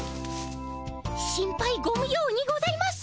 心配ご無用にございます。